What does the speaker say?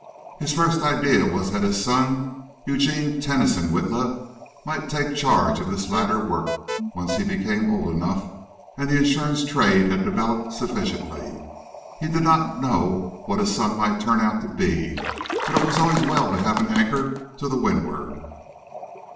His first idea was that his son, Eugene Tennyson Witla, might take charge of this latter work, once he became old enough and the insurance trade had developed sufficiently. He did not know what his son might turn out to be, but it was always well to have an anchor to windward.